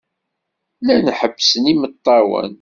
Llan ḥebbsen imeṭṭawen.